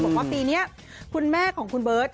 บอกว่าปีนี้คุณแม่ของคุณเบิร์ต